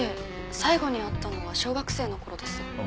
最後に会ったのは小学生の頃です。